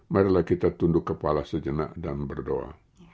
marilah kita tunduk kepala sejenak dan berdoa